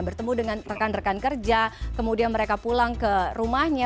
bertemu dengan rekan rekan kerja kemudian mereka pulang ke rumahnya